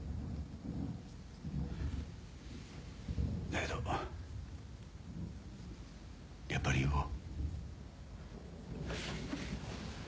だけどやっぱり言おう。